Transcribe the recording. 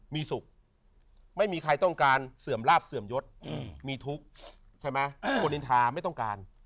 มีสุขไม่มีใครต้องการเสื่อมลาบเสื่อมยศมีทุกข์ใช่ไหมคนอินทาไม่ต้องการ